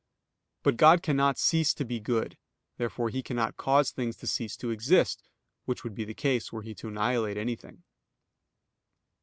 But God cannot cease to be good. Therefore He cannot cause things to cease to exist; which would be the case were He to annihilate anything.